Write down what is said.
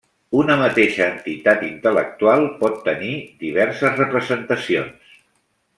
Una mateixa entitat intel·lectual pot tenir diverses representacions.